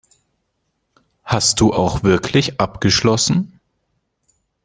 Hast du auch wirklich abgeschlossen?